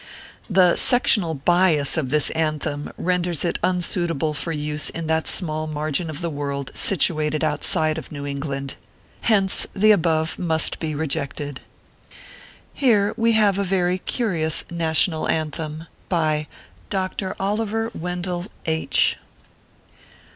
The sectional bias of this " anthem" renders it unsuitable for use in that small margin of the world situated outside of New England. Hence the above must be rejected. Here we have a very curious NATIONAL ANTHEM. BY DR. OLIVER WENDELL H